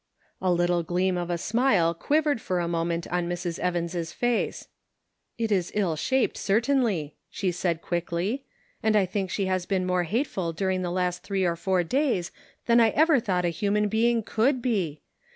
A little gleam of a smile quivered for a mo ment on Mrs. Evans' face. " It is ill shaped, certainly," she said, quickly ;" and I think she has been more hateful during the last three or four days than I ever thought a human being could be.